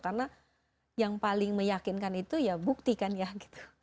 karena yang paling meyakinkan itu ya buktikan ya gitu